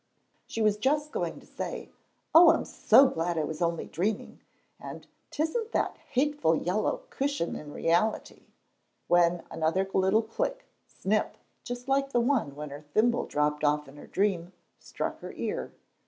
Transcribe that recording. She was just going to say, "Oh, I'm so glad I was only dreaming, and 'tisn't that hateful yellow cushion in reality," when another little click snip, just like the one when her thimble dropped off in her dream, struck her ear.